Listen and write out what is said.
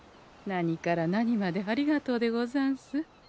何から何までありがとうでござんす。